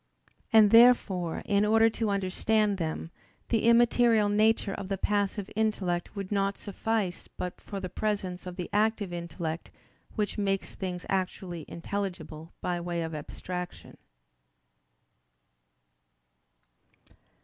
And therefore in order to understand them, the immaterial nature of the passive intellect would not suffice but for the presence of the active intellect which makes things actually intelligible by way of abstraction.